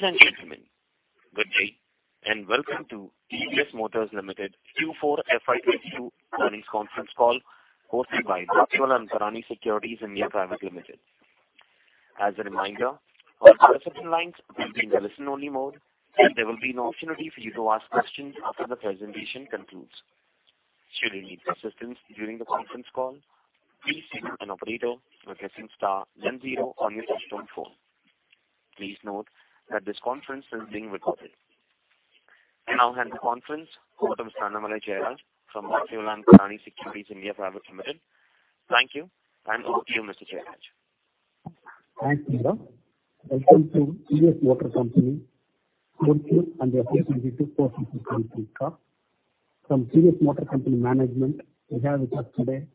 Ladies and gentlemen, good day, and welcome to TVS Motor Company Q4 FY 2022 earnings conference call hosted by Batlivala & Karani Securities India Private Limited. As a reminder, all participant lines will be in a listen-only mode, and there will be an opportunity for you to ask questions after the presentation concludes. Should you need assistance during the conference call, please signal an operator by pressing star then zero on your touchtone phone. Please note that this conference is being recorded. I now hand the conference over to Mr. Annamalai Jayaraj from Batlivala & Karani Securities India Private Limited. Thank you. Over to you, Mr. Jayaraj. Thanks, Neerav. Welcome to TVS Motor Company Q4 and the FY 2022 results conference call. From TVS Motor Company management, we have with us today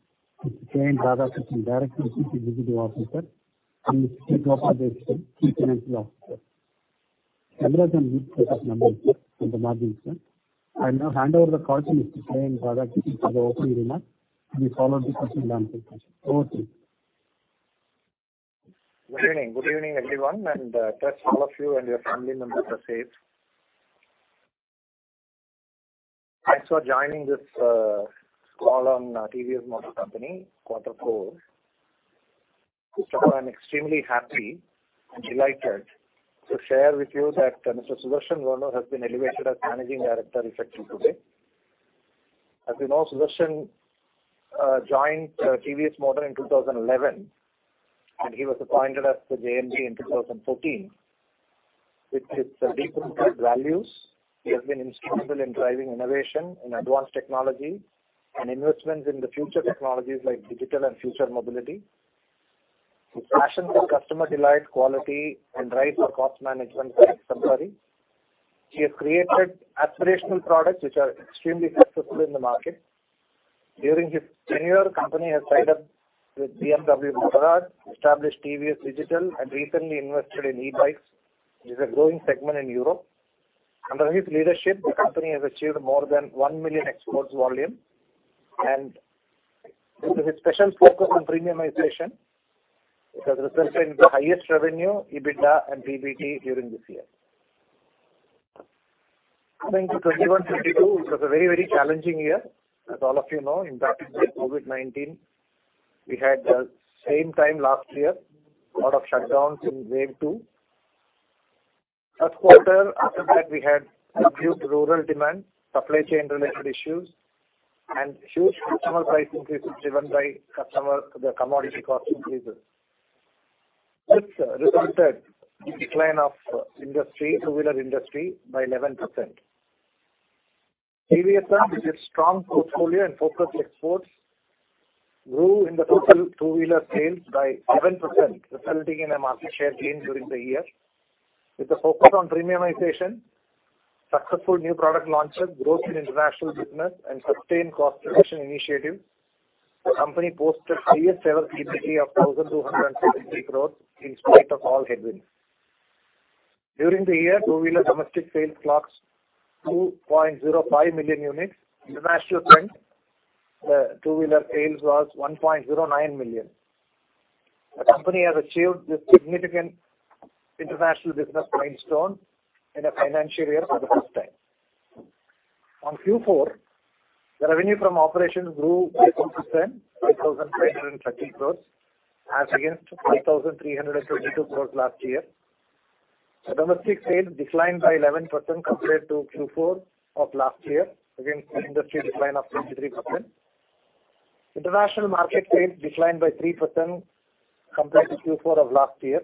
Mr. K. N. Radhakrishnan, Director and Chief Executive Officer, and Mr. K. Gopala Desikan, Chief Financial Officer. As well as our group of members here in the management center. I now hand over the call to Mr. K. N. Radhakrishnan for the opening remarks. Followed by the question and answer session. Over to you. Good evening. Good evening, everyone, and trust all of you and your family members are safe. Thanks for joining this call on TVS Motor Company quarter four. First of all, I'm extremely happy and delighted to share with you that Mr. Sudarshan Venu has been elevated as Managing Director effective today. As we know, Sudarshan joined TVS Motor in 2011, and he was appointed as the JMD in 2014. With his deep-rooted values, he has been instrumental in driving innovation and advanced technology and investments in the future technologies like digital and future mobility. His passion for customer delight, quality, and drive for cost management are exemplary. He has created aspirational products which are extremely successful in the market. During his tenure, the company has tied up with BMW Motorrad, established TVS Digital, and recently invested in e-bikes, which is a growing segment in Europe. Under his leadership, the company has achieved more than 1 million exports volume. Due to his special focus on premiumization, it has resulted in the highest revenue, EBITDA and PBT during this year. Coming to 2021-2022, it was a very, very challenging year. As all of you know, impacted by COVID-19, we had the same time last year, a lot of shutdowns in wave two. First quarter after that, we had subdued rural demand, supply chain related issues and huge customer price increases driven by the commodity cost increases. This resulted in decline of the two-wheeler industry by 11%. TVS, with its strong portfolio and focused exports, grew in the total two-wheeler sales by 7%, resulting in a market share gain during the year. With a focus on premiumization, successful new product launches, growth in international business and sustained cost reduction initiatives, the company posted highest ever PBT of 1,263 crore in spite of all headwinds. During the year, two-wheeler domestic sales clocked 2.05 million units. International front, the two-wheeler sales was 1.09 million. The company has achieved this significant international business milestone in a financial year for the first time. On Q4, the revenue from operations grew 8%, 8,330 crore as against 5,322 crore last year. The domestic sales declined by 11% compared to Q4 of last year, against the industry decline of 23%. International market sales declined by 3% compared to Q4 of last year.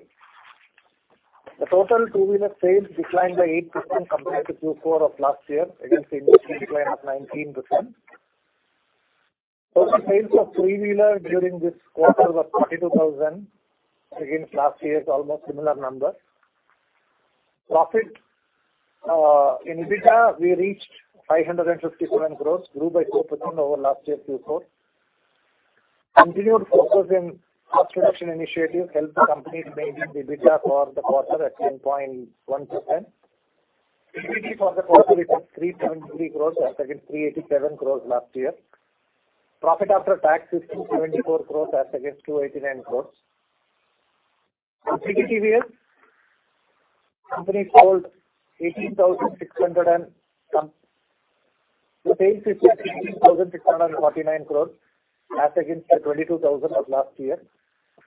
The total two-wheeler sales declined by 8% compared to Q4 of last year, against industry decline of 19%. Total sales of three-wheeler during this quarter was 42,000 against last year's almost similar number. Profit in EBITDA, we reached 557 crore, grew by 4% over last year's Q4. Continued focus in cost reduction initiative helped the company to maintain the EBITDA for the quarter at 10.1%. PBT for the quarter it was 373 crore as against 387 crore last year. Profit after tax is 274 crore as against 289 crore. In three wheelers, company sold eighteen thousand six hundred and some. The sales is 18,649 as against the 22,000 of last year.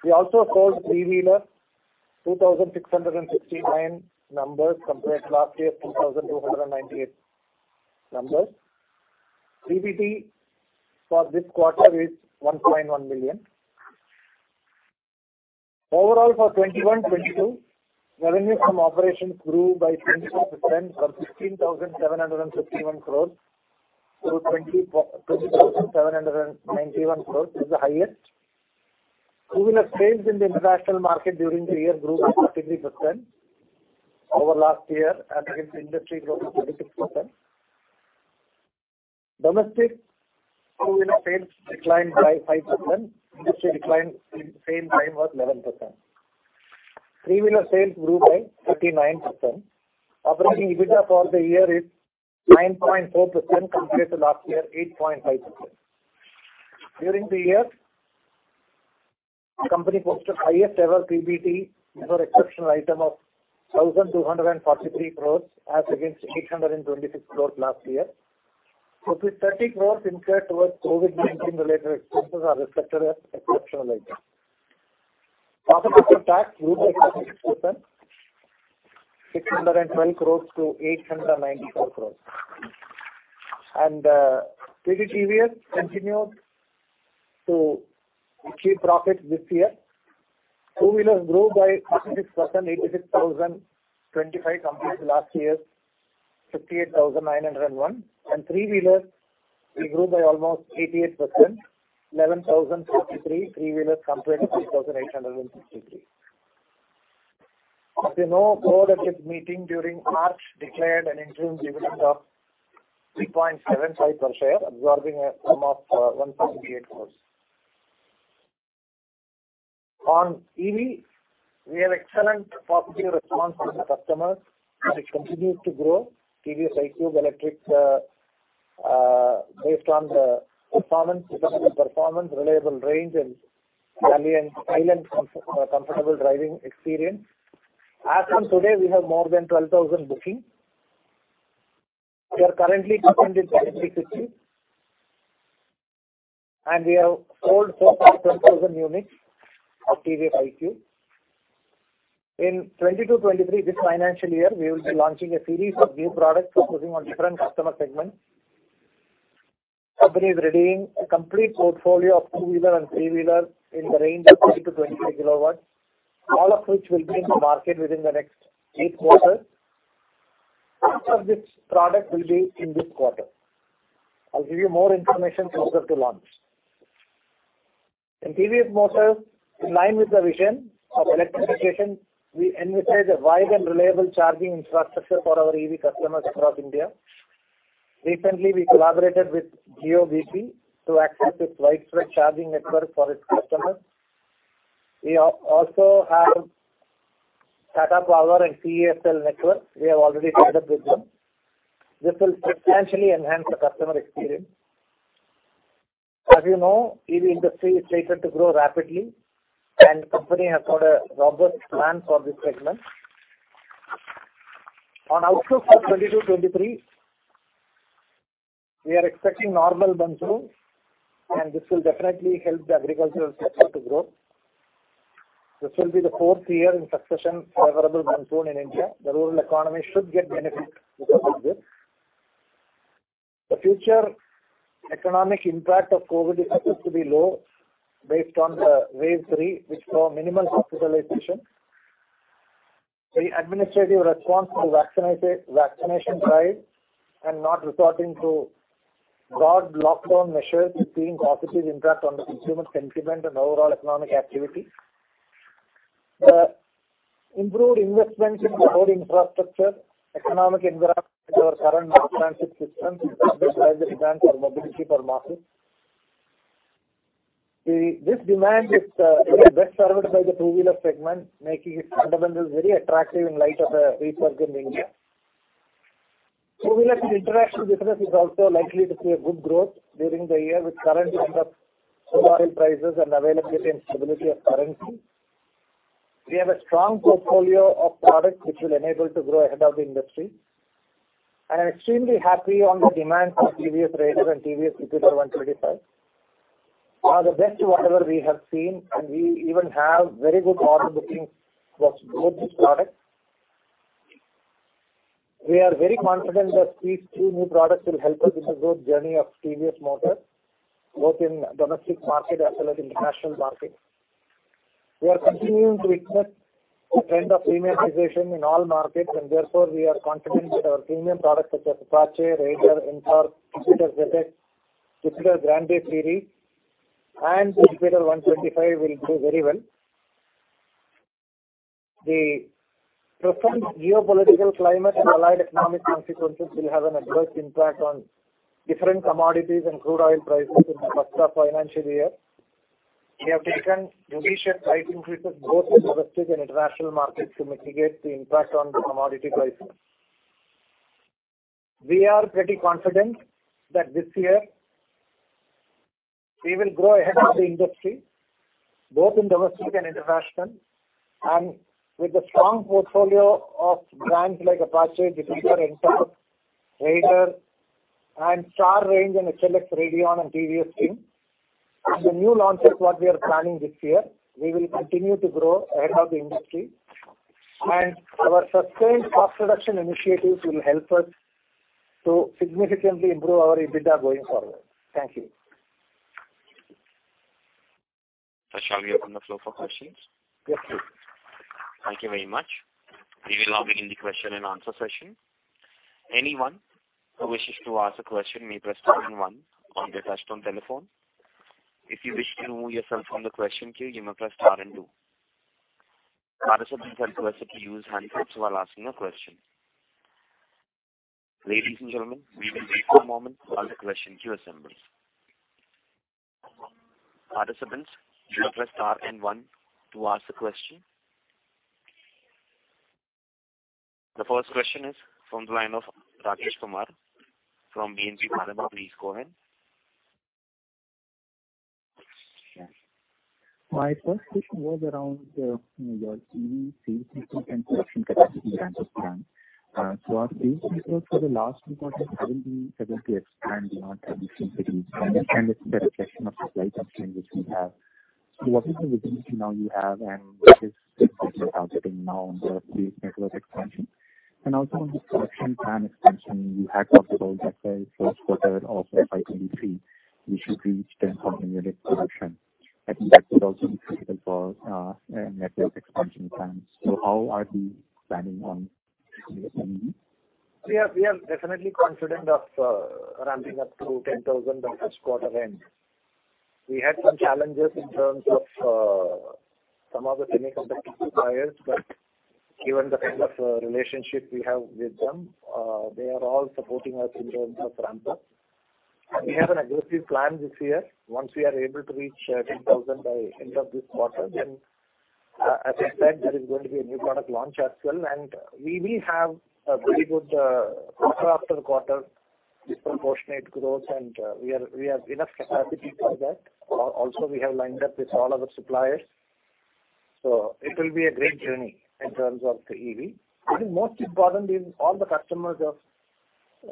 We also sold three-wheeler, 2,669 numbers compared to last year's 2,298 numbers. PBT for this quarter is 1.1 million. Overall, for 2021-22, revenue from operations grew by 22% from 16,751 crores to 24,279 crores is the highest. Two-wheeler sales in the international market during the year grew by 13% over last year as against industry growth of 36%. Domestic two-wheeler sales declined by 5%. Industry decline in the same time was 11%. Three-wheeler sales grew by 39%. Operating EBITDA for the year is 9.4% compared to last year, 8.5%. During the year, the company posted highest ever PBT before exceptional item of 1,243 crores as against 826 crores last year. With 30 crores incurred towards COVID-19 related expenses are reflected as exceptional item. Profit after tax grew by 60%, 612 crores to 894 crores. TVS continued to achieve profit this year. Two-wheelers grew by 26%, 86,025 compared to last year's 58,901. Three-wheelers, we grew by almost 88%, 11,033 three-wheelers compared to 6,863. As you know, board at its meeting during March declared an interim dividend of 3.75 per share, absorbing almost 178 crores. On EV, we have excellent positive response from the customers, and it continues to grow. TVS iQube electric, based on the performance, dependable performance, reliable range and silent, comfortable driving experience. As from today, we have more than 12,000 bookings. We are currently present in 60 cities. We have sold so far 10,000 units of TVS iQube. In 2022-23, this financial year, we will be launching a series of new products focusing on different customer segments. Company is readying a complete portfolio of two-wheeler and three-wheeler in the range of 20-23 kW, all of which will be in the market within the next eight quarters. Part of this product will be in this quarter. I'll give you more information closer to launch. In TVS Motor, in line with the vision of electrification, we envisage a wide and reliable charging infrastructure for our EV customers across India. Recently, we collaborated with Jio-bp to access its widespread charging network for its customers. We also have Tata Power and CESL network. We have already tied up with them. This will substantially enhance the customer experience. As you know, EV industry is slated to grow rapidly, and company has got a robust plan for this segment. On outlook for 2022, 2023, we are expecting normal monsoon, and this will definitely help the agricultural sector to grow. This will be the fourth year in succession favorable monsoon in India. The rural economy should get benefit because of this. The future economic impact of COVID is expected to be low based on the wave three, which saw minimal hospitalization. The administrative response to vaccination drive and not resorting to broad lockdown measures is seeing positive impact on the consumer sentiment and overall economic activity. The improved investments in road infrastructure, economic environment with our current mass transit systems is driving higher demand for mobility in the market. This demand is best served by the two-wheeler segment, making its fundamentals very attractive in light of the resurgence in India. Four-wheeler and intercity business is also likely to see a good growth during the year with current trend of crude oil prices and availability and stability of currency. We have a strong portfolio of products which will enable us to grow ahead of the industry. I am extremely happy with the demand for TVS Raider and TVS Jupiter 125, which are the best we have ever seen, and we even have very good order bookings for both these products. We are very confident that these two new products will help us in the growth journey of TVS Motor, both in domestic market as well as international market. We are continuing to expect a trend of premiumization in all markets, and therefore, we are confident that our premium products such as Apache, Raider, Ntorq, Jupiter ZX, Jupiter Grande series and Jupiter 125 will do very well. The present geopolitical climate and allied economic consequences will have an adverse impact on different commodities and crude oil prices in the first half financial year. We have taken judicious price increases both in domestic and international markets to mitigate the impact on the commodity prices. We are pretty confident that this year we will grow ahead of the industry, both in domestic and international. With a strong portfolio of brands like Apache, Jupiter, Ntorq, Raider, and Star City range, and TVS XL and TVS Radeon. The new launches what we are planning this year, we will continue to grow ahead of the industry. Our sustained cost reduction initiatives will help us to significantly improve our EBITDA going forward. Thank you. Shall we open the floor for questions? Yes, please. Thank you very much. We will now begin the question and answer session. Anyone who wishes to ask a question may press star and one on their touch-tone telephone. If you wish to remove yourself from the question queue, you may press star and two. Participants are requested to use headphones while asking a question. Ladies and gentlemen, we will wait one moment while the question queue assembles. Participants, you may press star and one to ask a question. The first question is from the line of Rakesh Kumar from B&K Securities. Please go ahead. Yeah. My first question was around, you know, your EV sales system and production capacity range of plan. So our sales people for the last quarter haven't been able to expand beyond existing cities, and I understand it's the reflection of supply chain, which we have. What is the visibility now you have, and what is the target you have setting now on the sales network expansion? Also on the production plan expansion, you had talked about that, first quarter of FY 2023, you should reach 10,000 unit production. I think that would also be critical for network expansion plans. How are we planning on this? We are definitely confident of ramping up to 10,000 by first quarter end. We had some challenges in terms of some of the semiconductor suppliers, but given the kind of relationship we have with them, they are all supporting us in terms of ramp up. We have an aggressive plan this year. Once we are able to reach 10,000 by end of this quarter, then, as I said, there is going to be a new product launch as well, and we will have a very good quarter after quarter disproportionate growth and we have enough capacity for that. Also we have lined up with all of the suppliers, so it will be a great journey in terms of the EV. I think most important is all the customers of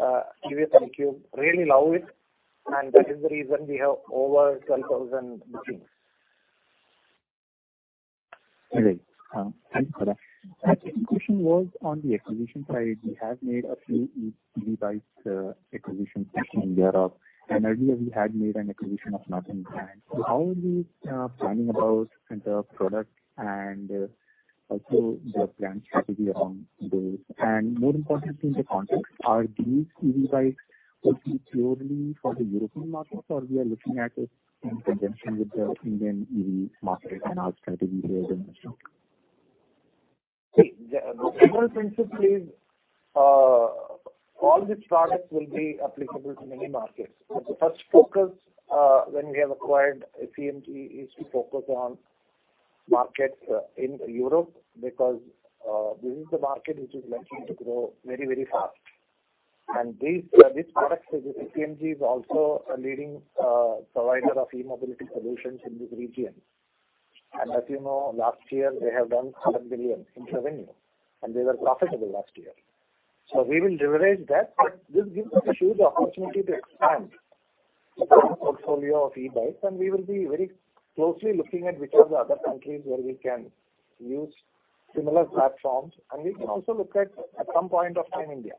EV and iQube really love it, and that is the reason we have over 12,000 bookings. Great. Thank you for that. My second question was on the acquisition side. We have made a few e-bike acquisitions in Europe, and earlier we had made an acquisition of Norton brand. How are we planning about the product and also the brand strategy around those? More importantly in the context, are these EV bikes would be purely for the European markets, or we are looking at it in conjunction with the Indian EV market and our strategy there as well? See, the whole principle is all these products will be applicable to many markets. The first focus, when we have acquired CMG, is to focus on markets in Europe, because this is the market which is likely to grow very fast. These products with CMG is also a leading provider of e-mobility solutions in this region. As you know, last year they have done 7 billion in revenue, and they were profitable last year. We will leverage that. This gives us a huge opportunity to expand the current portfolio of e-bikes, and we will be very closely looking at which are the other countries where we can use similar platforms. We can also look at some point of time India.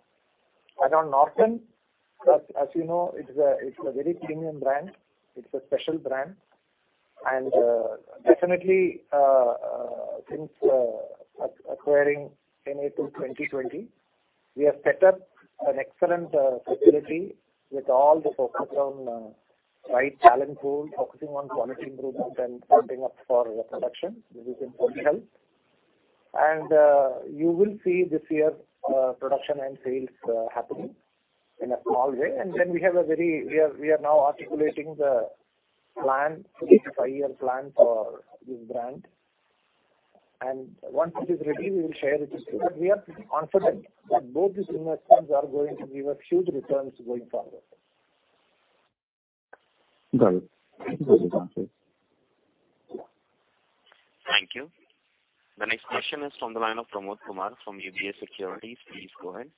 On Norton, as you know, it's a very premium brand, it's a special brand. Definitely, since acquiring in April 2020, we have set up an excellent facility with all the focus on right talent pool, focusing on quality improvement and starting up for the production. This is in full health. You will see this year production and sales happening in a small way. We are now articulating the plan, the five-year plan for this brand. Once it is ready, we will share it with you. We are confident that both these investments are going to give us huge returns going forward. Got it. Thank you for your answers. Thank you. The next question is from the line of Pramod Kumar from UBS Securities. Please go ahead.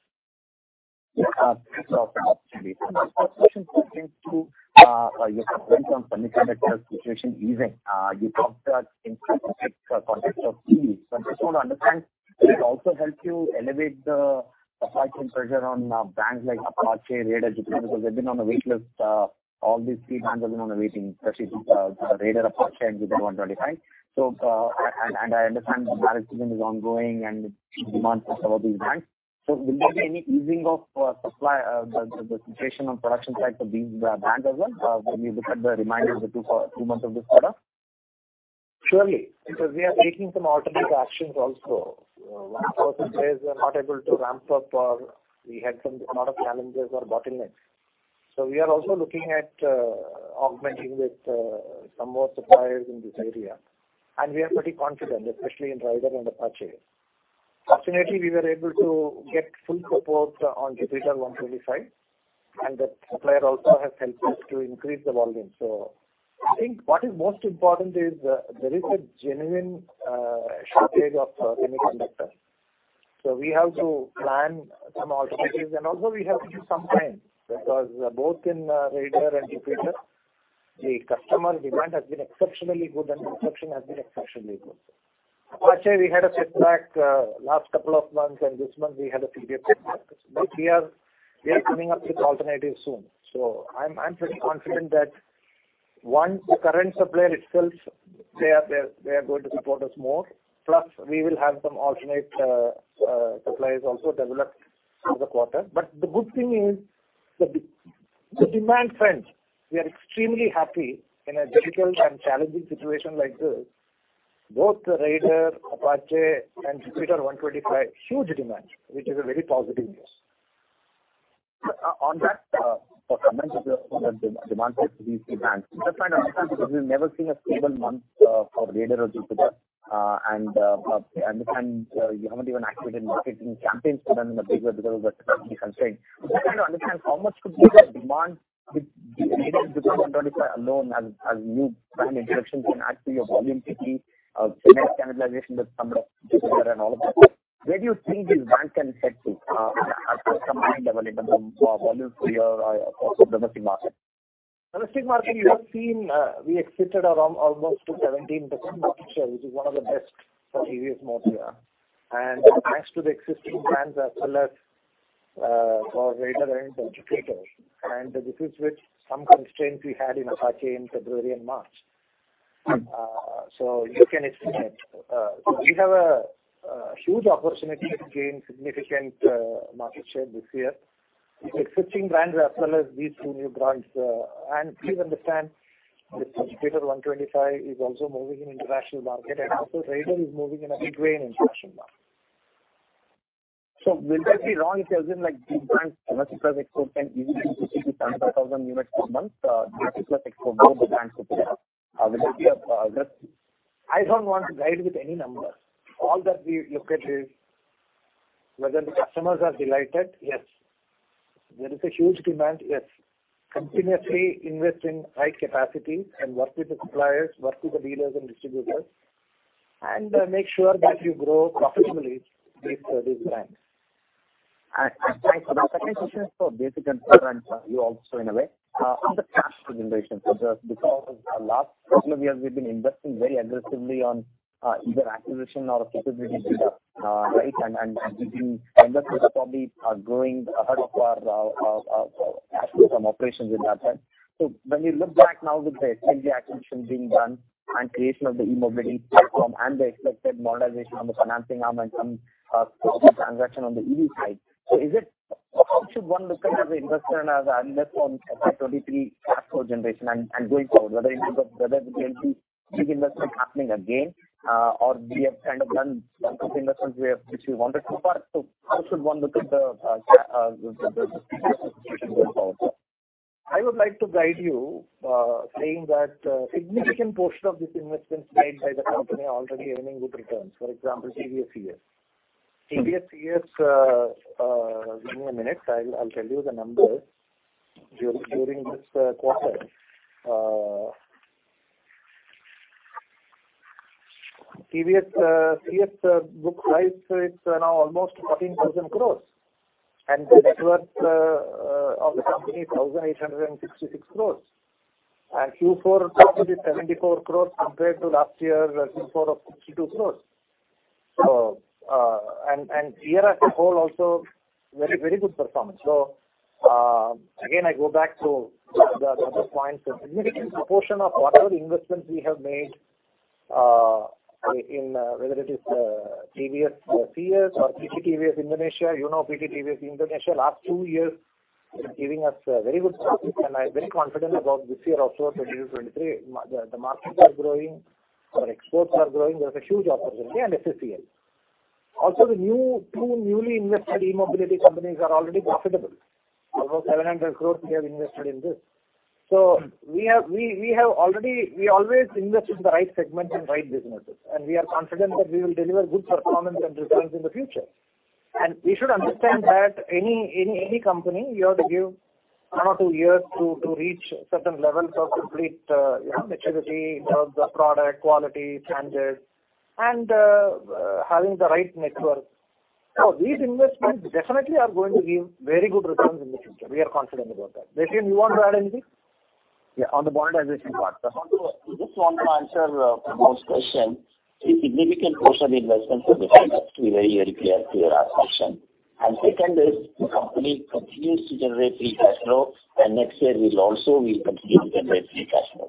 Yeah. Thanks for the opportunity. My first question pertains to your comments on the semiconductor situation easing. You talked about in specific context of EVs. I just want to understand, does it also help you alleviate the supply chain pressure on brands like Apache, Raider, Jupiter? Because they've been on the waiting list, all these three brands have been on the waiting list, especially Raider, Apache, and Jupiter 125. And I understand marriage season is ongoing and demand for some of these brands. Will there be any easing of the supply situation on the production side for these brands as well when you look at the remaining 2-4 months of this quarter? Surely. Because we are taking some alternative actions also. One or two players are not able to ramp up or we had a lot of challenges or bottlenecks. We are also looking at augmenting with some more suppliers in this area. We are pretty confident, especially in Raider and Apache. Fortunately, we were able to get full support on Jupiter 125, and the supplier also has helped us to increase the volume. I think what is most important is there is a genuine shortage of semiconductors. We have to plan some alternatives. Also we have to give some time, because both in Raider and Jupiter, the customer demand has been exceptionally good and the acceptance has been exceptionally good. Apache, we had a setback last couple of months, and this month we had a severe setback. We are coming up with alternatives soon. I'm pretty confident that once the current supplier itself, they are going to support us more, plus we will have some alternate suppliers also developed through the quarter. The good thing is the demand front, we are extremely happy in a difficult and challenging situation like this, both the Raider, Apache and Jupiter 125, huge demand, which is a very positive news. On that, for commencement of the demands for these two brands. Just trying to understand, because we've never seen a single month for Raider or Jupiter, and you haven't even activated marketing campaigns for them in a big way because of the capacity constraints. Just trying to understand how much could be the demand with Raider and Jupiter 125 alone as new brand introductions can add to your volume. 50% net cannibalization with some of Jupiter and all of that. Where do you see these brands can head to, at a combined level in terms of volume for your domestic market? Domestic market, you have seen, we exited around almost to 17% market share, which is one of the best for TVS Motor here. Thanks to the existing brands as well as for Raider and Jupiter. This is with some constraints we had in Apache in February and March. You can estimate. We have a huge opportunity to gain significant market share this year with existing brands as well as these two new brands. Please understand that Jupiter 125 is also moving in international market, and also Raider is moving in a big way in international market. Will I be wrong if I assume, like, these brands, once it has exported even 50-75,000 units per month, that is plus export both the brands put together? Will it be a just- I don't want to guide with any numbers. All that we look at is whether the customers are delighted, yes. There is a huge demand, yes. Continuously invest in high capacity and work with the suppliers, work with the dealers and distributors, and make sure that you grow profitably these brands. Thanks for that. Second question is for [Basakan] and for you also in a way on the cash generation. Just because last couple of years we've been investing very aggressively on either acquisition or capability build up, right? Investments probably are growing ahead of our operations in that sense. When you look back now with the SG acquisition being done and creation of the eMobility platform and the expected monetization on the financing arm and some possible transaction on the EV side, is it? How should one look at as an investor and as an investor on 2023 cash flow generation and going forward? Whether in terms of there will be big investments happening again, or we have kind of done bulk of the investments we have, which we wanted to. How should one look at the cash situation going forward? I would like to guide you saying that a significant portion of these investments made by the company are already earning good returns. For example, TVS Credit Services. TVS Credit Services, give me a minute. I'll tell you the numbers during this quarter. TVS Credit Services book value, it's now almost 14,000 crores. The net worth of the company, 1,866 crores. Q4 contributed 74 crores compared to last year's Q4 of 62 crores. Year as a whole also very good performance. Again, I go back to the other points. A significant proportion of whatever investments we have made in whether it is TVS or CS or PT TVS Indonesia, you know PT TVS Indonesia. Last two years it's giving us very good profits, and I'm very confident about this year also, 2023. The markets are growing, our exports are growing. There's a huge opportunity in FCL. Also, the two newly invested eMobility companies are already profitable. About 700 crores we have invested in this. We have already. We always invest in the right segment and right businesses, and we are confident that we will deliver good performance and returns in the future. We should understand that any company, you have to give one or two years to reach certain levels of complete, you know, maturity in terms of product, quality, standards and having the right network. These investments definitely are going to give very good returns in the future. We are confident about that. Desikan, you want to add anything? Yeah, on the monetization part. I just want to answer Prerak's question. A significant portion of investments have been paid up to a very early stage for our option. Second is the company continues to generate free cash flow, and next year we'll also continue to generate free cash flow.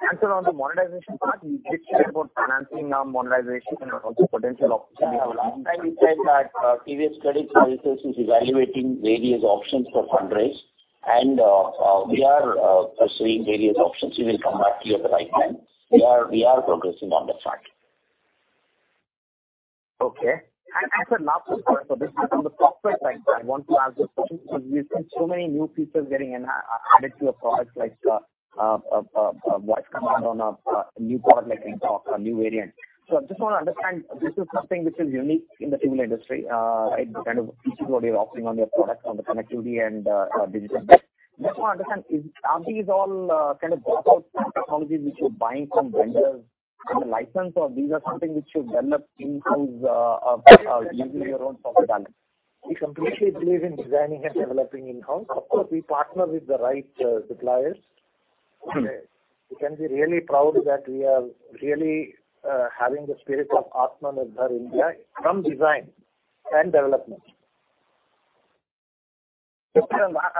Answer on the monetization part, you did share about financing, now monetization and also potential opportunity for Last time you said that, TVS Credit Services is evaluating various options for fundraising and, we are pursuing various options. We will come back to you at the right time. We are progressing on that front. Okay. Sir, last two points. Just on the software side, I want to ask you a question. We've seen so many new features getting added to your products like, voice command on a new product like Ntorq, a new variant. I just want to understand, this is something which is unique in the two-wheeler industry, right? The kind of features what you're offering on your products, on the connectivity and, digital bit. Just want to understand, are these all, kind of bought out technologies which you're buying from vendors and the license? These are something which you've developed in-house, using your own software development? We completely believe in designing and developing in-house. Of course, we partner with the right, suppliers. We can be really proud that we are really having the spirit of Atmanirbhar Bharat from design and development. I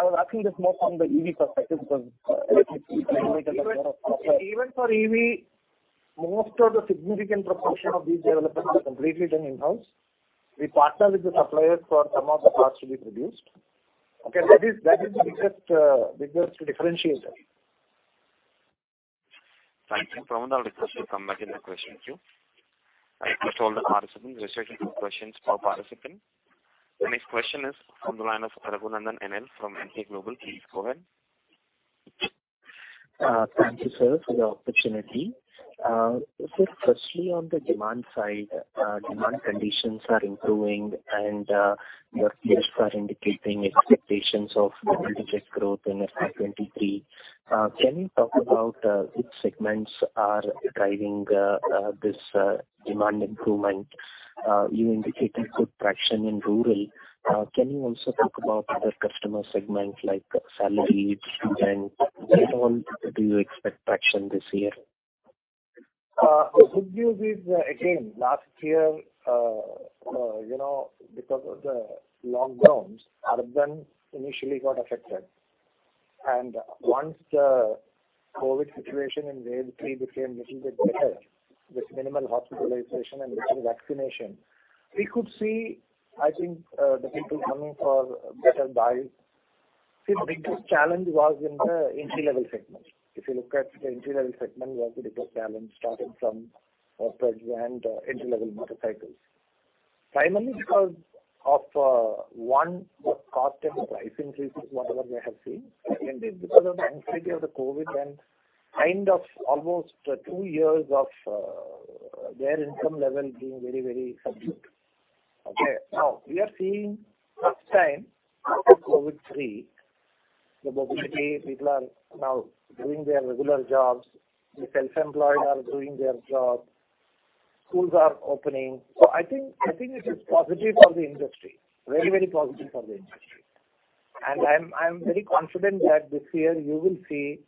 was asking this more from the EV perspective because EV is Even for EV, most of the significant proportion of these developments are completely done in-house. We partner with the suppliers for some of the parts to be produced. Okay, that is the biggest differentiator. Thank you, Pramod. I'll request you to come back in the question queue. I request all the participants, restrict your questions per participant. The next question is on the line of Raghunandhan N. L. from Emkay Global. Please go ahead. Thank you, sir, for the opportunity. Firstly, on the demand side, demand conditions are improving and, your peers are indicating expectations of double-digit growth in FY 2023. Can you talk about which segments are driving this demand improvement? You indicated good traction in rural. Can you also talk about other customer segments like salaried, student, and urban, do you expect traction this year? The good news is, again, last year, you know, because of the lockdowns, urban initially got affected. Once the COVID situation in wave three became little bit better with minimal hospitalization and with vaccination, we could see, I think, the people coming for better buys. See, the biggest challenge was in the entry-level segment, starting from Pleasure and entry-level motorcycles. Primarily because of one, the cost and price increases, whatever they have seen. Secondly, because of the anxiety of the COVID and kind of almost two years of their income level being very, very subdued. Okay. Now, we are seeing first time post COVID three, the mobility. People are now doing their regular jobs. The self-employed are doing their jobs. Schools are opening. I think it is positive for the industry, very, very positive for the industry. I'm very confident that this year you will see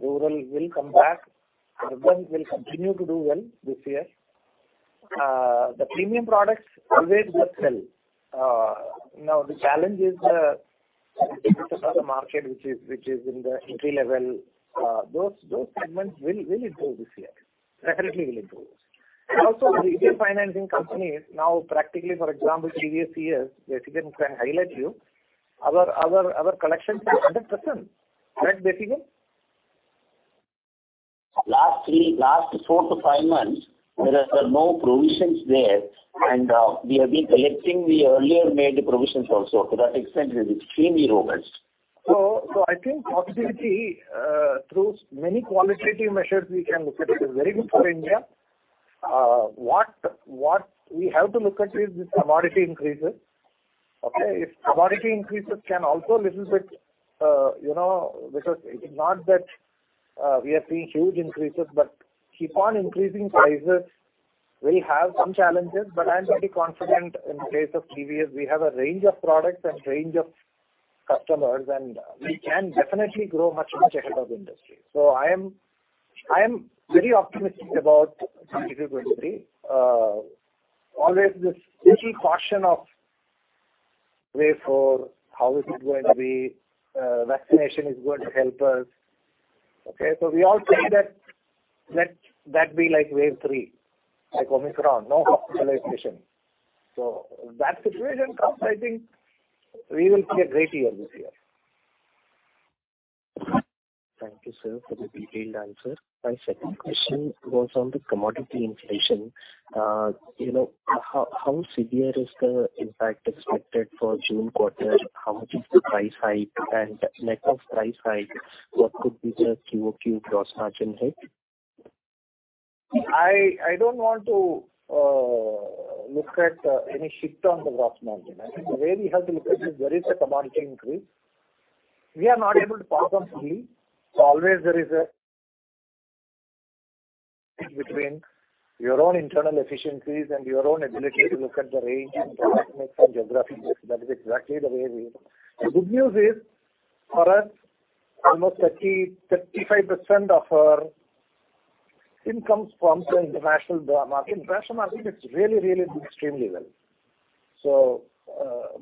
rural will come back. Urban will continue to do well this year. The premium products always will sell. Now the challenge is the biggest of the market, which is in the entry level. Those segments will improve this year. Definitely will improve. Also the Indian financing companies now practically, for example, previous years, K. Gopala Desikan can you highlight our collection is 100%. Right, K. Gopala Desikan? Last 4-5 months, there are no provisions there. We have been collecting the earlier made provisions also. To that extent it is extremely robust. I think positivity through many qualitative measures we can look at it is very good for India. What we have to look at is this commodity increases. Okay. If commodity increases can also little bit you know because it's not that we are seeing huge increases but keep on increasing prices. We have some challenges, but I'm very confident in case of TVS, we have a range of products and range of customers, and we can definitely grow much ahead of industry. I am very optimistic about 2023. Always this little caution of wave four, how is it going to be. Vaccination is going to help us. Okay. We all pray that that be like wave three, like Omicron, no hospitalization. If that situation comes, I think we will see a great year this year. Thank you, sir, for the detailed answer. My second question was on the commodity inflation. You know, how severe is the impact expected for June quarter? How much is the price hike and net of price hike, what could be the QoQ gross margin hit? I don't want to look at any shift on the gross margin. I think the way we have to look at it, there is a commodity increase. We are not able to pass on fully. Always there is a balance between your own internal efficiencies and your own ability to look at the range and product mix and geographies. That is exactly the way we look at it. The good news is, for us, almost 30-35% of our income comes from international market. International market, it's really, really doing extremely well.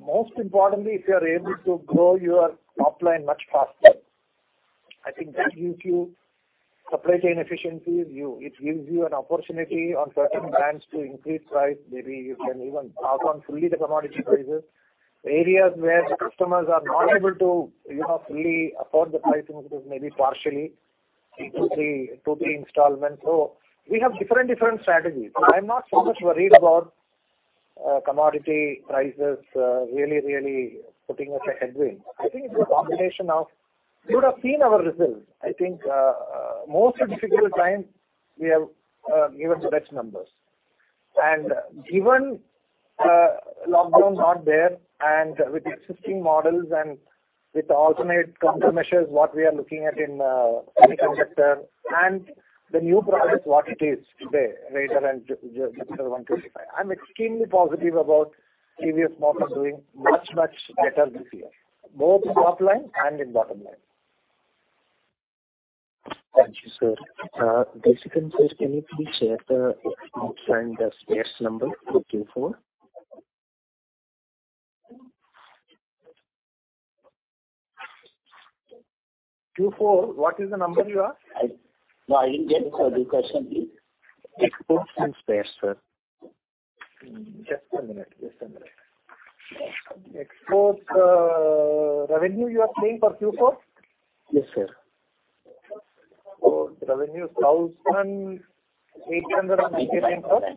Most importantly, if you are able to grow your top line much faster, I think that gives you supply chain efficiencies. It gives you an opportunity on certain brands to increase price. Maybe you can even pass on fully the commodity prices. Areas where the customers are not able to, you know, fully afford the pricing. It is maybe partially two, three installments. We have different strategies. I'm not so much worried about commodity prices really putting us a headwind. I think it's a combination. You would have seen our results. I think, most difficult times we have given such numbers. Given lockdowns not there, and with existing models and with alternate counter measures, what we are looking at in semiconductor and the new products, what it is today, Raider and Jupiter 125. I'm extremely positive about TVS Motor doing much better this year, both in top line and in bottom line. Thank you, sir. K. Gopala Desikan says, "Can you please share the export and spares number for Q4? Q4, what is the number you ask? I didn't get the question, please. Export and spares, sir. Just one minute. Export, revenue you are saying for Q4? Yes, sir. Revenue INR 1,899 crore.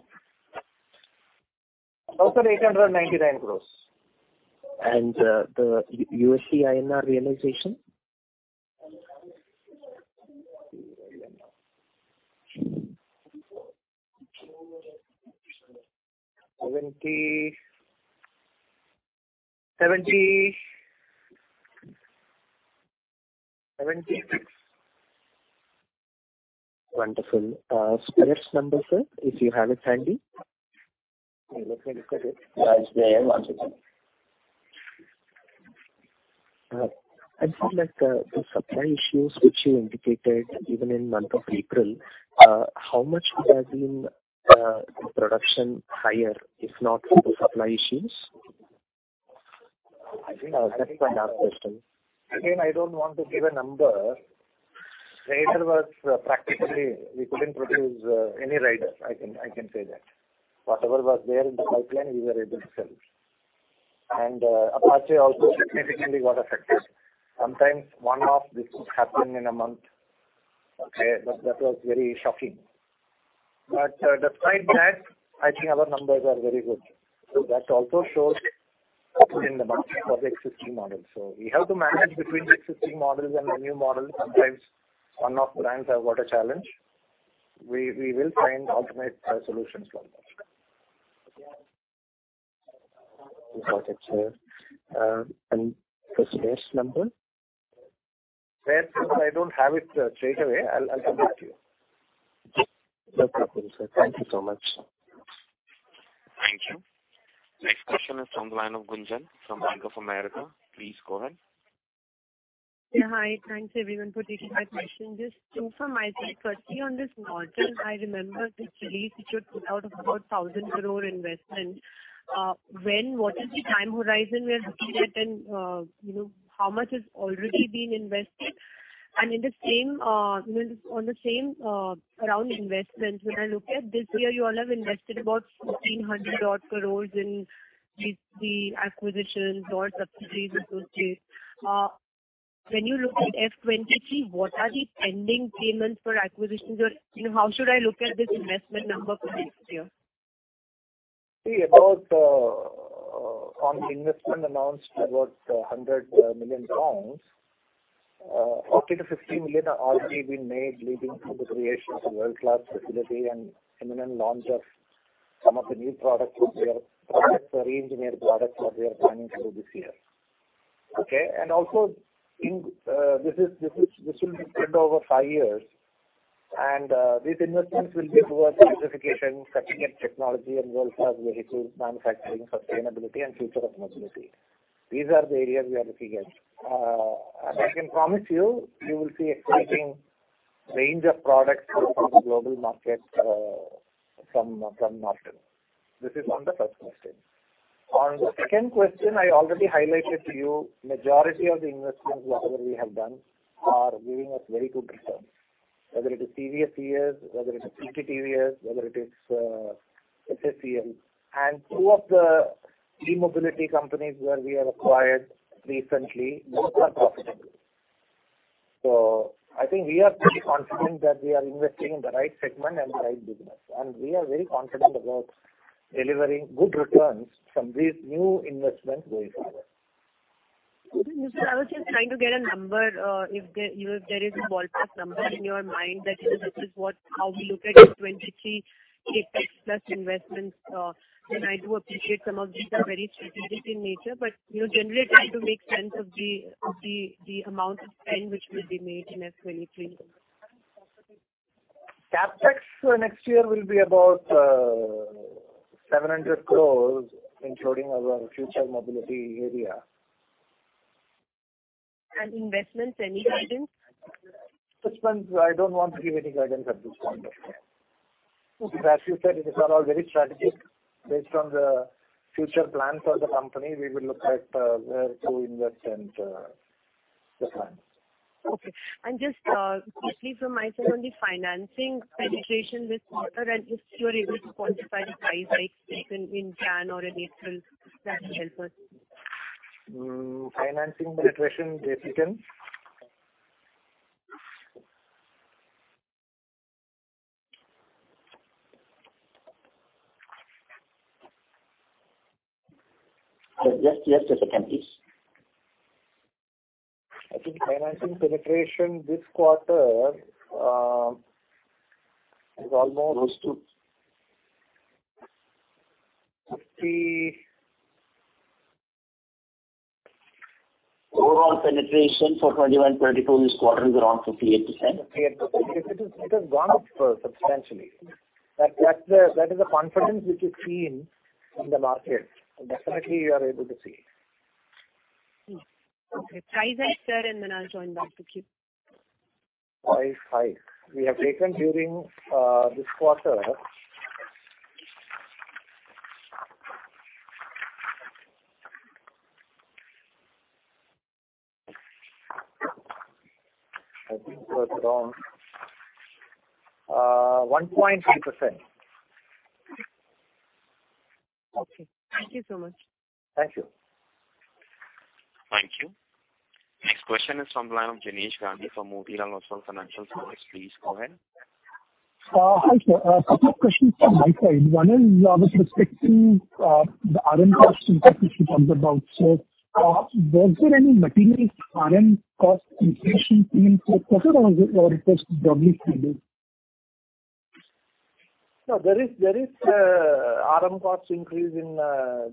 The USD INR realization? 70. [inaudible] Wonderful. Spares number, sir, if you have it handy? Let me look at it. Yes, we have one second. I feel like, the supply issues which you indicated even in month of April, how much would have been the production higher, if not for the supply issues? I think. That's a [dumb] question. Again, I don't want to give a number. Raider was practically we couldn't produce any Raider. I can say that. Whatever was there in the pipeline, we were able to sell. Apache also significantly got affected. Sometimes one-off this could happen in a month. Okay. That was very shocking. Despite that, I think our numbers are very good. That also shows confidence in the market for the existing models. We have to manage between the existing models and the new models. Sometimes one-off brands have got a challenge. We will find alternate solutions for them. Got it, sir. The spares number? Spares number I don't have it, straightaway. I'll get back to you. No problem, sir. Thank you so much. Thank you. Next question is from the line of Gunjan from Bank of America. Please go ahead. Yeah. Hi. Thanks, everyone, for taking my question. Just two from my side. Firstly, on this Norton, I remember this release, which was put out about 1,000 crore investment. What is the time horizon we are looking at? And, you know, how much has already been invested? And in the same, you know, on the same, around investments, when I look at this year, you all have invested about 1,400 crore in these three acquisitions or subsidiaries associated. When you look at FY 2023, what are the pending payments for acquisitions or, you know, how should I look at this investment number for next year? Investment announced about 100 million pounds. Forty to fifty million are already been made, leading to the creation of a world-class facility and imminent launch of some of the new products or reengineered products that we are planning to do this year. Okay. This will be spread over five years. These investments will be towards electrification, cutting-edge technology and world-class vehicles, manufacturing, sustainability and future of mobility. These are the areas we are looking at. I can promise you will see exciting range of products from global markets, from Norton. This is on the first question. On the second question, I already highlighted to you, majority of the investments, whatever we have done, are giving us very good returns, whether it is CVSEs, whether it is LTVs, whether it is FFEL. Two of the key mobility companies where we have acquired recently, both are profitable. I think we are pretty confident that we are investing in the right segment and the right business, and we are very confident about delivering good returns from these new investments going forward. No, sir, I was just trying to get a number. If there is a ballpark number in your mind that, you know, this is what how we look at 2023 CapEx plus investments. I do appreciate some of these are very strategic in nature, but, you know, generally trying to make sense of the amount of spend which will be made in FY 2023. CapEx for next year will be about 700 crore, including our future mobility area. Investments, any guidance? Investments, I don't want to give any guidance at this point of time. Okay. As you said, these are all very strategic. Based on the future plan for the company, we will look at where to invest and the plans. Okay. Just quickly from my side on the financing penetration this quarter, and if you are able to quantify the price hikes taken in January or in April, that will help us. Financing penetration this quarter. Yes, yes. Just a second, please. I think financing penetration this quarter is almost rose to 50. Overall penetration for 2021-2022, this quarter is around 58%. 58%. It has gone up substantially. That's the confidence which you see in the market. Definitely you are able to see. Okay. Price hikes, sir, and then I'll join back the queue. Price hikes we have taken during this quarter. I think it was around 1.3%. Okay. Thank you so much. Thank you. Thank you. Next question is from the line of Jinesh Gandhi from Motilal Oswal Financial Services. Please go ahead. Hi, sir. A couple of questions from my side. One is with respect to the RM cost increase which you talked about. Was there any material RM cost inflation seen for quarter or it was doubly faded? No, there is RM cost increase in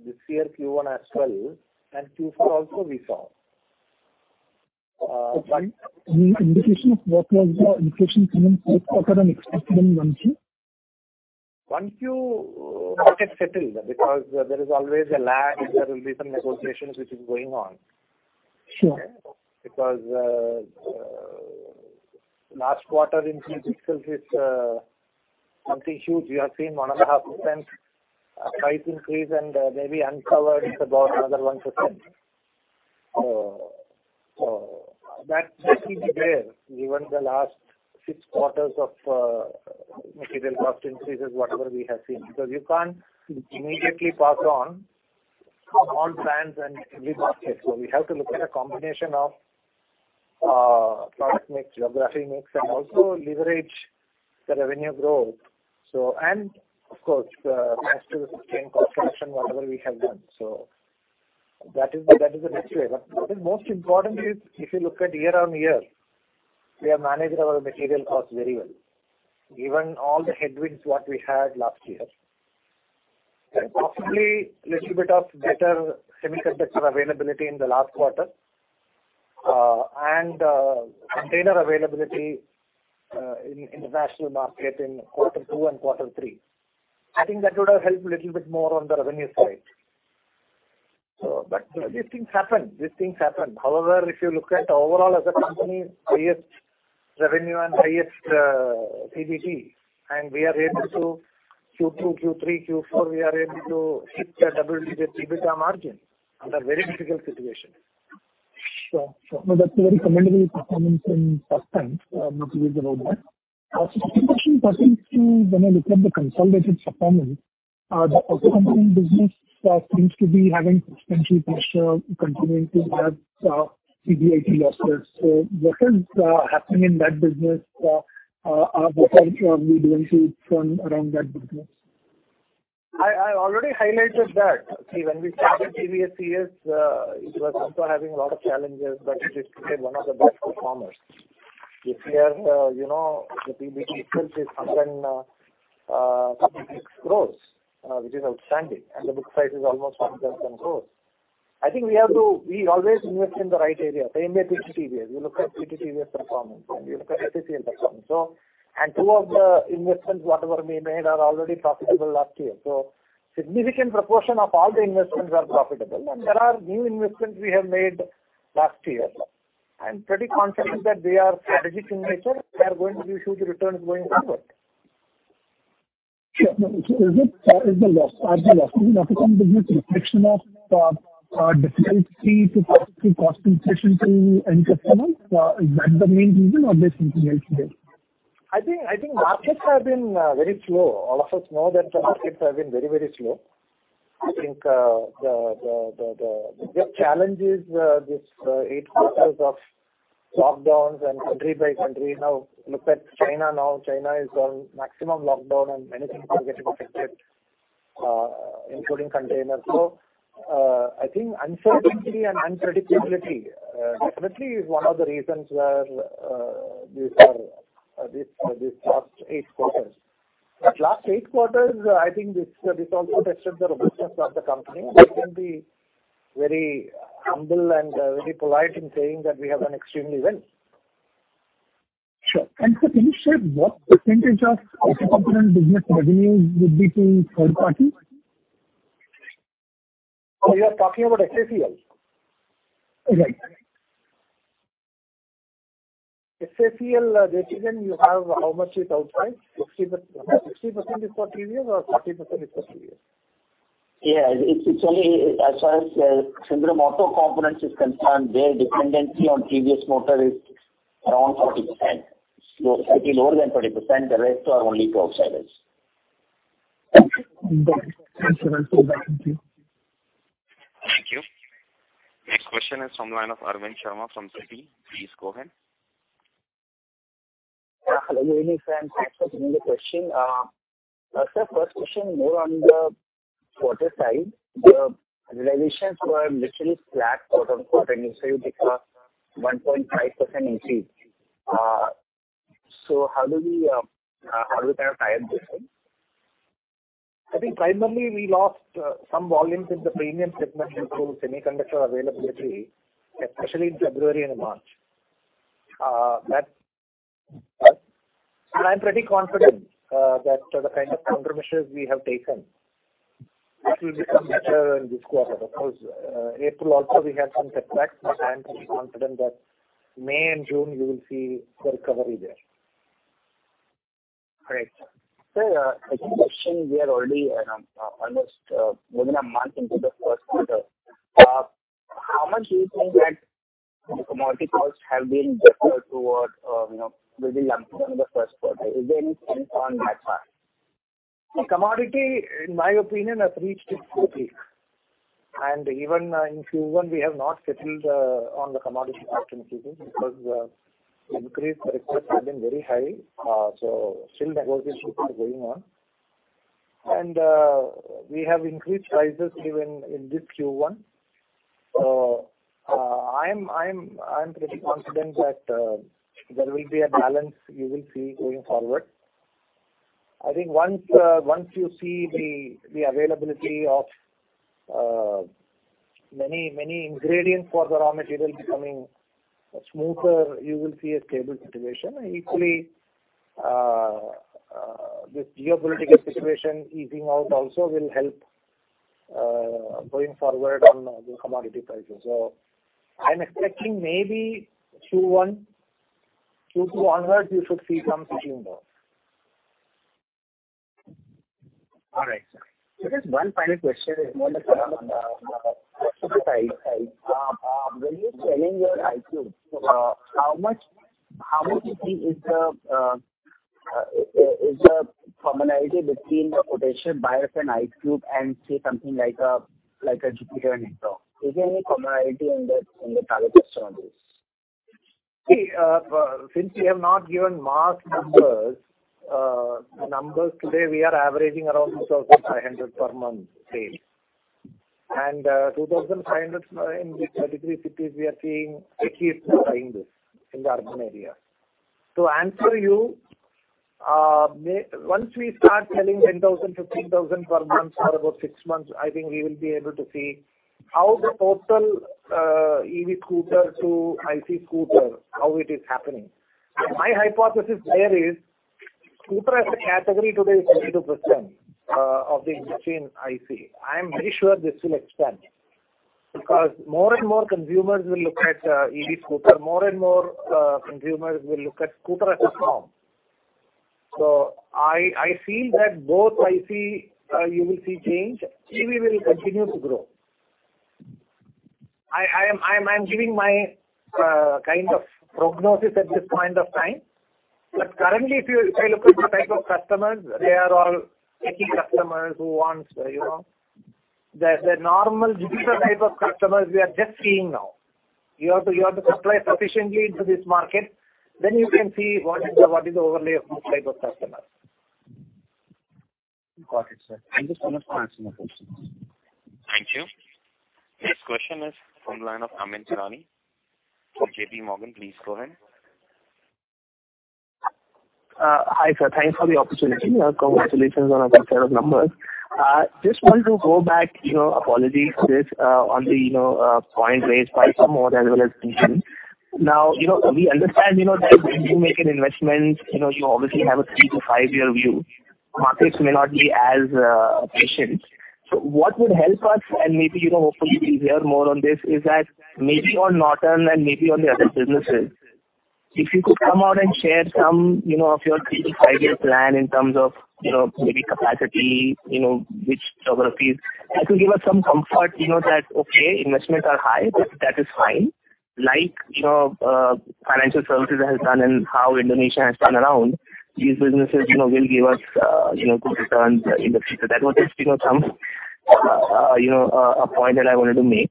this year Q1 as well, and Q4 also we saw. Any indication of what was the inflation seen in first quarter and expected in Q1? 1Q market settled because there is always a lag and there will be some negotiations which is going on. Sure. Because last quarter increase itself is something huge. We have seen 1.5% price increase and maybe uncovered is about another 1%. That should be there, given the last 6 quarters of material cost increases, whatever we have seen, because you can't immediately pass on all plans and lead markets. We have to look at a combination of product mix, geography mix, and also leverage the revenue growth. And of course, as to the sustained cost reduction, whatever we have done. That is the next way. But most importantly, if you look at year-on-year, we have managed our material costs very well, given all the headwinds what we had last year. Possibly little bit of better semiconductor availability in the last quarter, and container availability in international market in quarter two and quarter three. I think that would have helped little bit more on the revenue side. But these things happen. However, if you look at overall as a company, highest revenue and highest PBT, and we are able to Q2, Q3, Q4 hit a double-digit EBITDA margin under very difficult situation. Sure, sure. No, that's a very commendable performance in tough times. I'm not worried about that. Second question pertains to when I look at the consolidated performance, the auto component business seems to be having substantial pressure, continuing to have PBIT losses. What is happening in that business? What are we doing to turn around that business? I already highlighted that. See, when we started previous years, it was also having a lot of challenges, but it is today one of the best performers. This year, the PBT itself is 106 crore, which is outstanding. The book value is almost 1,000 crore. We always invest in the right area. Same way PT TVS is. You look at PT TVS's performance and you look at FCL performance. Two of the investments, whatever we made, are already profitable last year. Significant proportion of all the investments are profitable. There are new investments we have made last year. I'm pretty confident that they are strategic in nature. They are going to give huge returns going forward. Sure. Are the losses in auto component business reflection of difficulty to pass through cost inflation to end customers? Is that the main reason or there's something else here? I think markets have been very slow. All of us know that the markets have been very, very slow. I think the big challenge is this 8 quarters of lockdowns and country by country. Now look at China. China is on maximum lockdown, and many things are getting affected, including containers. I think uncertainty and unpredictability definitely is one of the reasons where these are this last eight quarters. Last eight quarters, I think this also tested the robustness of the company. We can be very humble and very polite in saying that we have done extremely well. Sure. Sir, can you share what percentage of auto component business revenue would be to third party? You are talking about FFEL. Right. FFEL, K. Gopala Desikan, you have how much it outlines? 60%, 60% is for TVS or 40% is for TVS? It's only as far as Sundaram Auto Components is concerned, their dependency on TVS Motor is around 40%. Slightly lower than 20%, the rest are only to outsiders. Got it. Thanks a lot for that. Thank you. Thank you. Next question is from the line of Arvind Sharma from Citi. Please go ahead. Yeah. Hello, good evening, sir. Thanks for taking the question. Sir, first question more on the quarter side. The realizations were literally flat quarter-on-quarter and you say you think 1.5% increase. So how do we kind of tie up this one? I think primarily we lost some volumes in the premium segment due to semiconductor availability, especially in February and March. I'm pretty confident that the kind of countermeasures we have taken, this will become better in this quarter. Of course, April also we had some setbacks, but I am pretty confident that May and June you will see full recovery there. Right. Sir, a quick question. We are already, almost, within a month into the first quarter. How much do you think that commodity costs have been better toward, you know, will be lumped into the first quarter? Is there any sense on that part? Commodity, in my opinion, has reached its peak. Even in Q1, we have not settled on the commodity pricing because the increased requests have been very high. Still negotiations are going on. We have increased prices even in this Q1. I'm pretty confident that there will be a balance you will see going forward. I think once you see the availability of many ingredients for the raw material becoming smoother, you will see a stable situation. Equally, this geopolitical situation easing out also will help going forward on the commodity prices. I'm expecting maybe Q1, Q2 onward you should see some easing there. All right, sir. Just one final question is more on the side. When you're selling your iQube, how much do you think is the commonality between the potential buyers and iQube and say something like a Jupiter or [Ntorq]? Is there any commonality in the target customers? See, since we have not given mass numbers today, we are averaging around 2,500 per month sales. 2,500 in these 33 cities, we are seeing techies trying this in the urban area. To answer you, maybe once we start selling 10,000, 15,000 per month for about six months, I think we will be able to see how the total, EV scooter to IC scooter, how it is happening. My hypothesis there is, scooter as a category today is 22% of the industry in IC. I am very sure this will expand because more and more consumers will look at EV scooter. More and more consumers will look at scooter as a form. I feel that both IC you will see change. EV will continue to grow. I'm giving my kind of prognosis at this point of time. Currently, if I look at the type of customers, they are all techie customers who want, you know. The normal digital type of customers we are just seeing now. You have to supply sufficiently into this market, then you can see what is the overlay of both type of customers. Got it, sir. I'm just gonna ask some more questions. Thank you. Next question is from the line of Amyn Pirani from J.P. Morgan. Please go ahead. Hi, sir. Thanks for the opportunity. Congratulations on a good set of numbers. Just want to go back, you know, apologies, this on the point raised by Pramod Kumar as well as Gunjan. Now, you know, we understand, you know, that when you make an investment, you know, you obviously have a three-five-year view. Markets may not be as patient. What would help us, and maybe, you know, hopefully we'll hear more on this, is that maybe on Norton and maybe on the other businesses, if you could come out and share some, you know, of your three five-year plan in terms of, you know, maybe capacity, you know, which geographies. That will give us some comfort, you know, that okay, investments are high, but that is fine. Like, you know, financial services has done and how Indonesia has turned around, these businesses, you know, will give us, you know, good returns in the future. That was just, you know, some, you know, a point that I wanted to make.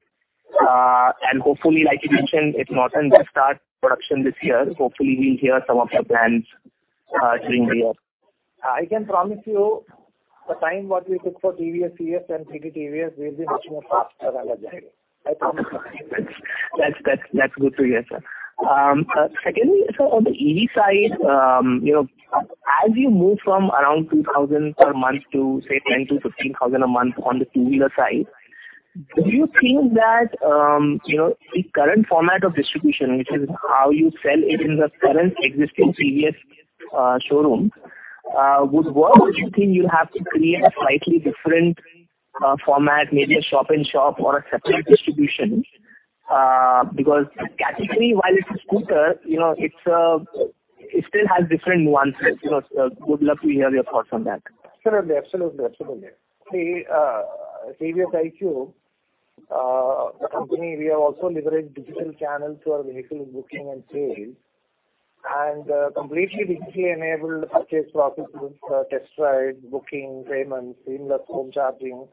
Hopefully, like you mentioned, if Norton will start production this year, hopefully we'll hear some of your plans during the year. I can promise you the time what we took for TVS, EV and TVS will be much more faster than that. I promise. That's good to hear, sir. Secondly, on the EV side, you know, as you move from around 2,000 per month to, say 10,000-15,000 a month on the two-wheeler side, do you think that the current format of distribution, which is how you sell it in the current existing TVS showrooms, would work? Or do you think you have to create a slightly different format, maybe a shop in shop or a separate distribution? Because the category, while it's a scooter, it still has different nuances. Would love to hear your thoughts on that. Absolutely. See, TVS iQube, the company, we have also leveraged digital channels for our vehicle booking and sales, and, completely digitally enabled purchase processes, test ride, booking, payments, seamless home charging,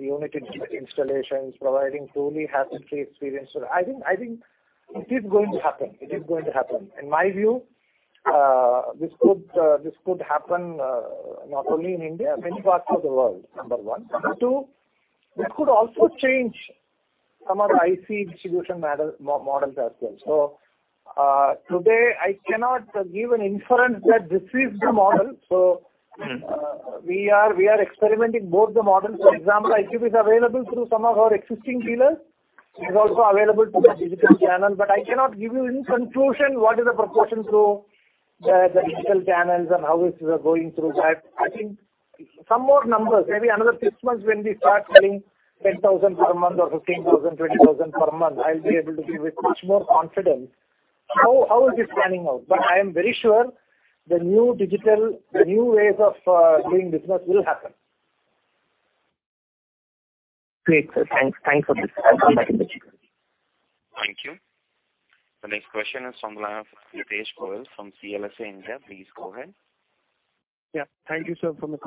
unit installations, providing truly hassle-free experience. I think it is going to happen. It is going to happen. In my view, this could happen, not only in India, many parts of the world, number one. Number two, this could also change some of the IC distribution models as well. Today I cannot give an inference that this is the model. We are experimenting both the models. For example, iQube is available through some of our existing dealers. It is also available through the digital channel, but I cannot give you any conclusion what is the proportion through the digital channels and how it is going through that. I think some more numbers, maybe another six months when we start selling 10,000 per month or 15,000, 20,000 per month, I'll be able to give with much more confidence how is it panning out. I am very sure the new digital, the new ways of doing business will happen. Great, sir. Thanks. Thanks for this. I'll come back in the chat. Thank you. The next question is from the line of Hitesh Goel from CLSA India. Please go ahead. Yeah. Thank you, sir, for the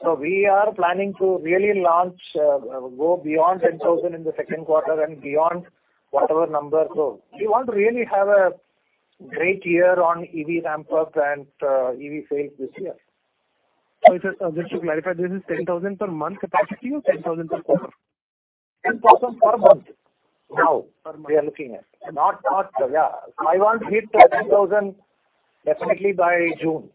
Just to clarify, this is 10,000 per month capacity or 10,000 per quarter? 10,000 per month. Now we are looking at. Yeah. I want to hit 10,000 definitely by June.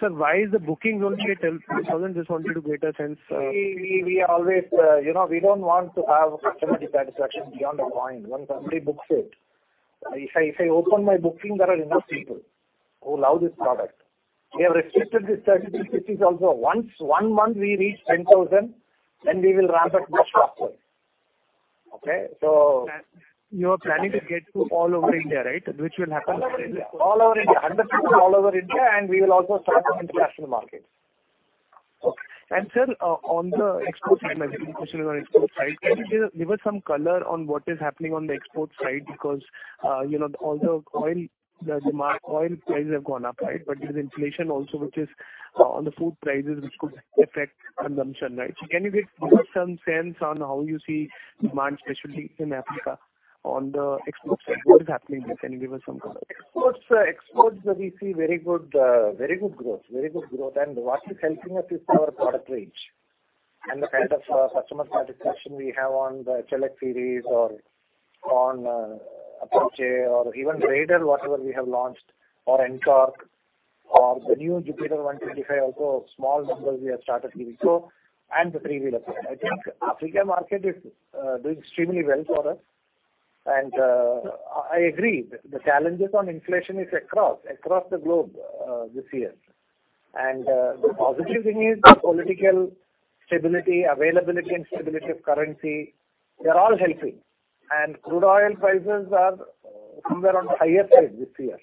sir, why is the bookings only at 10,000? Just wanted to get a sense, We always, you know, we don't want to have customer dissatisfaction beyond a point once somebody books it. If I open my booking, there are enough people who love this product. We have restricted this 30 cities also. Once one month we reach 10,000, then we will ramp up much faster. Okay. You are planning to get to all over India, right? Which will happen. All over India 100%, and we will also start in international markets. Okay. Sir, on the export side, my second question is on export side. Can you give us some color on what is happening on the export side? Because, you know, all the oil, the demand oil prices have gone up, right? But there's inflation also, which is on the food prices, which could affect consumption, right? Can you give us some sense on how you see demand, especially in Africa, on the export side, what is happening there? Can you give us some color? Exports we see very good growth. What is helping us is our product range and the kind of customer satisfaction we have on the StaR City series or on Apache or even Raider, whatever we have launched or Ntorq or the new Jupiter 125, also small numbers we have started giving. The three-wheeler. I think Africa market is doing extremely well for us. I agree the challenges on inflation is across the globe this year. The positive thing is the political stability, availability and stability of currency, they are all helping. Crude oil prices are somewhere on the higher side this year.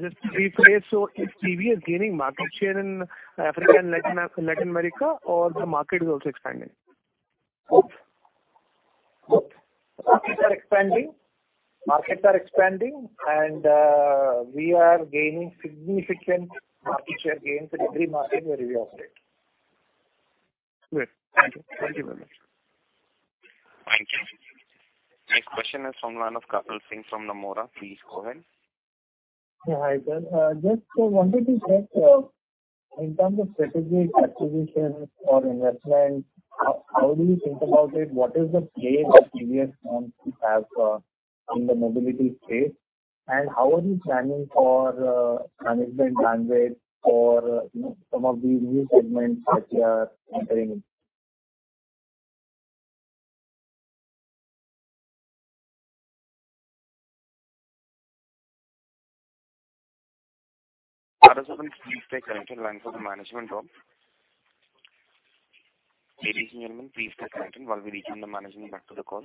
Just to rephrase, so if TVS is gaining market share in Africa and Latin America or the market is also expanding? Both. Markets are expanding, and we are gaining significant market share gains in every market where we operate. Great. Thank you. Thank you very much. Thank you. Next question is from the line of Kapil Singh from Nomura. Please go ahead. Hi, sir. Just wanted to check, in terms of strategic acquisitions or investments, how do you think about it? What is the play that TVS wants to have in the mobility space? How are you planning for management bandwidth for, you know, some of these new segments that you are entering? Please stay connected. Line for the management open. Ladies and gentlemen, please stay connected while we rejoin the management back to the call.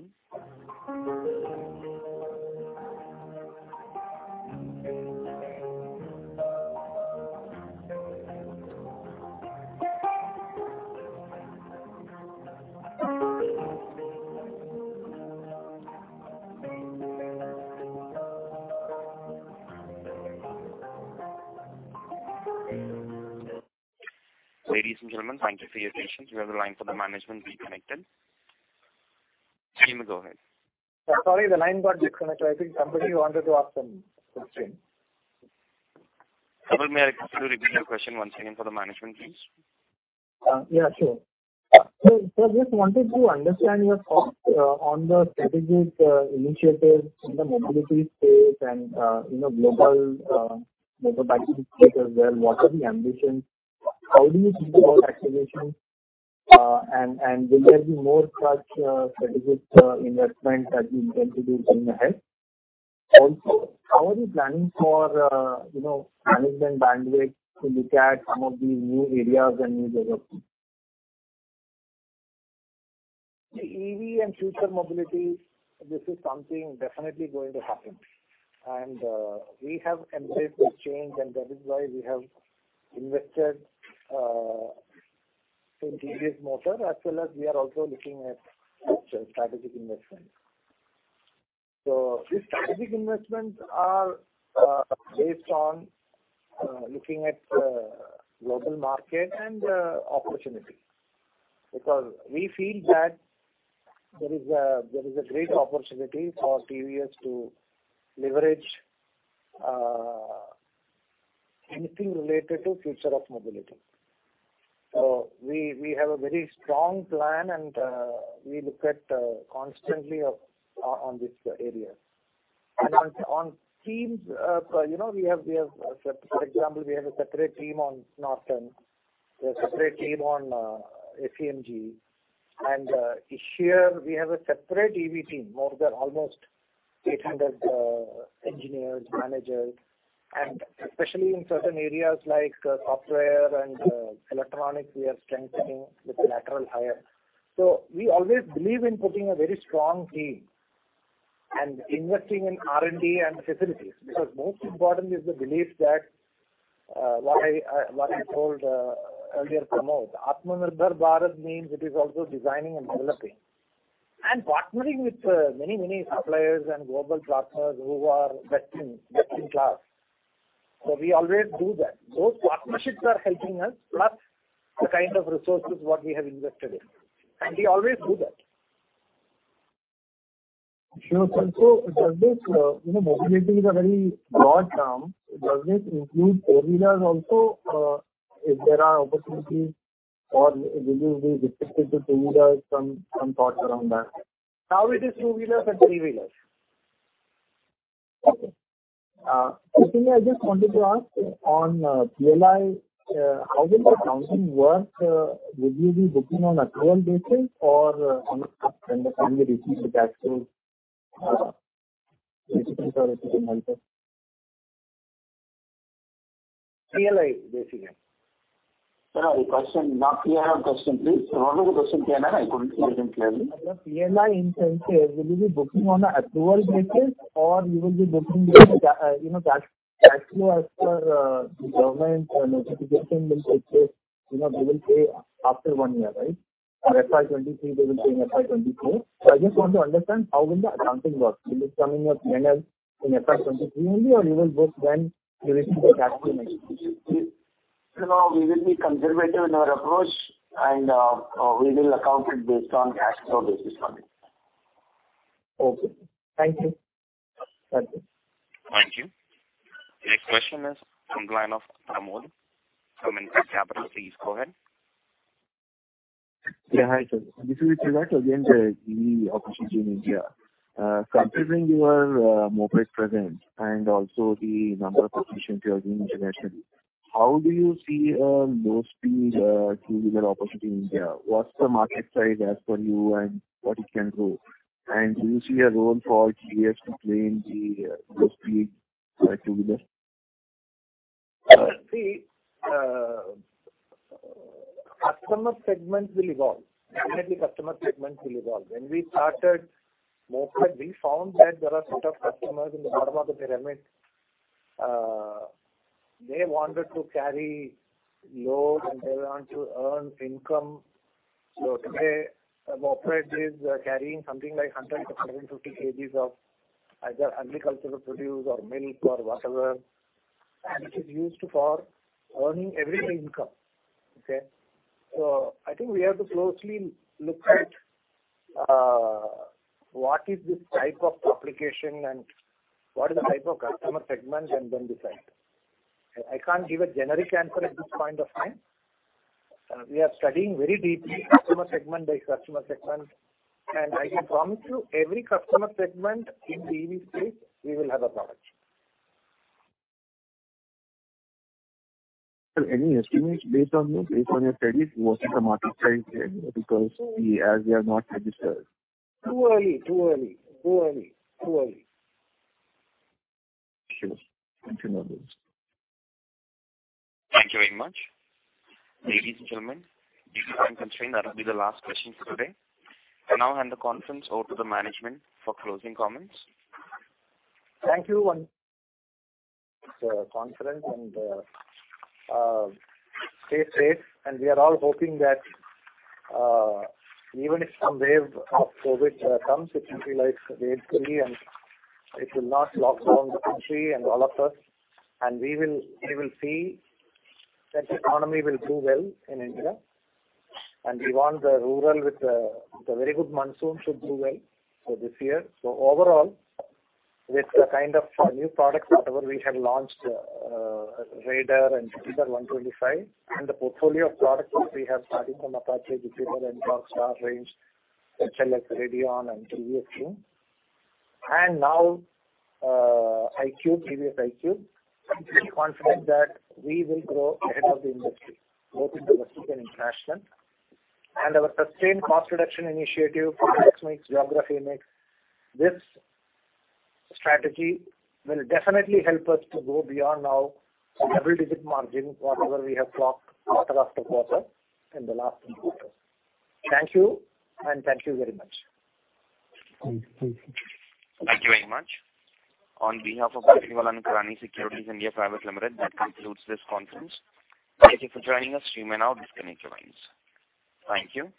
Ladies and gentlemen, thank you for your patience. We have the line for the management re-connected. You may go ahead. Sorry, the line got disconnected. I think somebody wanted to ask some question. Kapil, may I request you to repeat your question? One second for the management, please. Yeah, sure. Just wanted to understand your thoughts on the strategic initiatives in the mobility space and, you know, global motorbike space as well. What are the ambitions? How do you think about activations? And will there be more such strategic investments that you intend to do going ahead? Also, how are you planning for, you know, management bandwidth to look at some of these new areas and new developments? The EV and future mobility, this is something definitely going to happen. We have embraced this change, and that is why we have invested in TVS Motor, as well as we are also looking at strategic investments. These strategic investments are based on looking at global market and opportunity. Because we feel that there is a great opportunity for TVS to leverage anything related to future of mobility. We have a very strong plan and we look at constantly on this area. On teams, you know, we have, for example, we have a separate team on Norton, we have a separate team on Ego. Here we have a separate EV team, more than almost 800 engineers, managers. Especially in certain areas like software and electronics, we are strengthening with lateral hire. We always believe in putting a very strong team and investing in R&D and facilities. Because most important is the belief that what I told earlier, Pramod, Atmanirbhar Bharat means it is also designing and developing. Partnering with many suppliers and global partners who are best in class. We always do that. Those partnerships are helping us, plus the kind of resources what we have invested in. We always do that. Sure, sir. Does this, you know, mobility is a very broad term. Does this include four-wheelers also, if there are opportunities, or will you be restricted to two-wheelers? Some thoughts around that. Now it is two-wheelers and three-wheelers. Okay. Simply I just wanted to ask on PLI, how will the accounting work? Will you be booking on accrual basis or when the company receives the actual receipts or whatever? PLI basically. No, the question, not PLI question, please. Normal question, PLI, I couldn't hear you clearly. No, PLI in the sense that will you be booking on accrual basis or you will be booking the cash flow as per the government notification will take place. You know, they will pay after one year, right? For FY 2023, they will pay in FY 2024. I just want to understand how will the accounting work. Will it come in your P&L in FY 2023 only or you will book when you receive the cash flow next year? No, we will be conservative in our approach and we will account it based on cash flow basis only. Okay. Thank you. Thank you. Thank you. Next question is from line of [Prerak] from Indus Capital. Please go ahead. Yeah. Hi, sir. This is Prerak again, EE Opportunity India. Considering your moped presence and also the number of positions you are doing internationally, how do you see low-speed two-wheeler opportunity in India? What's the market size as per you and what it can grow? And do you see a role for [GEF] to play in the low-speed two-wheelers? See, customer segments will evolve. Definitely customer segments will evolve. When we started moped, we found that there are set of customers in the bottom of the pyramid. They wanted to carry load and they want to earn income. Today, operator is carrying something like 100-150 kgs of either agricultural produce or milk or whatever. It is used for earning every income. Okay? I think we have to closely look at what is this type of application and what is the type of customer segment and then decide. I can't give a generic answer at this point of time. We are studying very deeply customer segment by customer segment. I can promise you every customer segment in the EV space, we will have a product. Any estimates based on this, based on your studies, what is the market size here? Because we, as we are not registered. Too early. Sure. Thank you, [Madhu]. Thank you very much. Ladies and gentlemen, due to time constraint, that will be the last question for today. I now hand the conference over to the management for closing comments. Thank you, conference and stay safe. We are all hoping that even if some wave of COVID comes, it will be like wave three, and it will not lockdown the country and all of us. We will see that the economy will do well in India. We want the rural with the very good monsoon should do well for this year. Overall, with the kind of new products whatever we have launched, Raider and Jupiter 125, and the portfolio of products which we have starting from Apache, Jupiter and Star City range, such as Radeon and XL. Now, iQube, previous iQube, we are confident that we will grow ahead of the industry, both in domestic and international. Our sustained cost reduction initiative, product mix, geography mix, this strategy will definitely help us to go beyond now the double-digit margin, whatever we have clocked quarter after quarter in the last three quarters. Thank you, and thank you very much. Thank you. Thank you very much. On behalf of Batlivala & Karani Securities India Private Limited, that concludes this conference. Thank you for joining us. You may now disconnect your lines. Thank you.